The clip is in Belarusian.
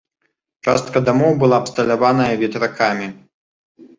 Частка дамоў была абсталяваная ветракамі.